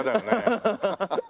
アハハハ！